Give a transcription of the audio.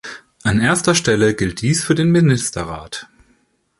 An erster Stelle gilt dies für den Ministerrat.